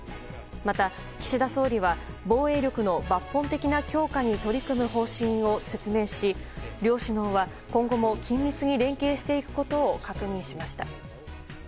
また、岸田総理は防衛力の抜本的な強化に取り組む方針を説明し両首脳は今後も緊密に連携していくことを確認しました。